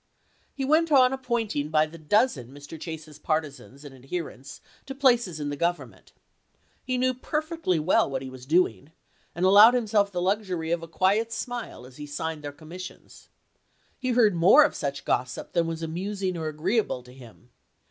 He went on appointing by the dozen Mr. Chase's partisans and adherents to places in the Government. He knew perfectly what he was doing, and allowed himself the luxury of a quiet smile as he signed their commissions. He heard more of such gossip than was amusing or agree able to him.